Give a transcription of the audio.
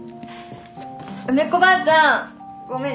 梅子ばあちゃんごめん